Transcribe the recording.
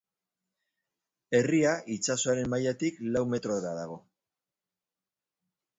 Herria itsasoaren mailatik lau metrora dago.